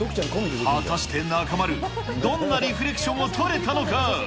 果たして、中丸、どんなリフレクションを撮れたのか？